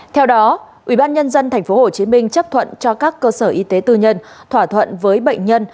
theo đó ủy ban nhân dân tp hcm chấp thuận cho các cơ sở y tế tư nhân thỏa thuận với bệnh nhân